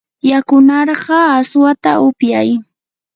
yakunarqaa aswata upyay.